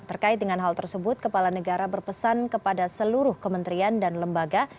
terkait dengan hal tersebut kepala negara berpesan kepada seluruh kementerian dan lembaga